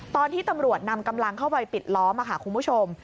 ตอนที่ตำรวจนำกำลังเข้าไปปิดล้อมค่ะคุณผู้ชม